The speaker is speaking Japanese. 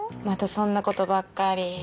またそんなことばっかり。